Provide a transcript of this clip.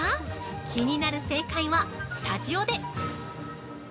気になる正解はスタジオで！